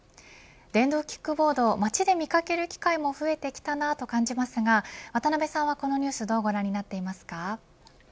電動キックボード街で見掛ける機会も増えてきたなと感じますが渡辺さんはこのニュースどうご覧になっていますか。